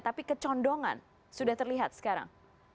tapi kecondongan sudah terlihat sekarang